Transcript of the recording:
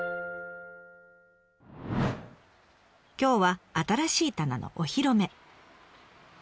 今日は新しい棚のお披露目。